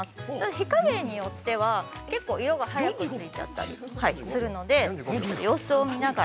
火かげんによっては結構色が早くついちゃったりするので、様子を見ながら。